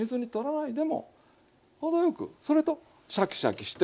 程よくそれとシャキシャキして。